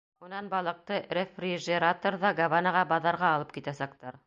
Унан балыҡты рефрижераторҙа Гаванаға баҙарға алып китәсәктәр.